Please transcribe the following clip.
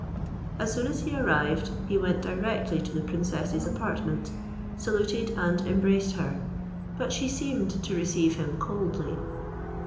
As soon as he arrived, he went directly to the princess's apartment, saluted and embraced her, but she seemed to receive him coldly.